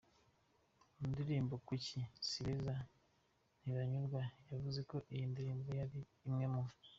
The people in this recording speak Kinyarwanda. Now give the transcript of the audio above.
mu ndirimbo Kuki, Sibeza, Ntibanyurwayavuze ko iyi ndirimbo ye ari imwe mu.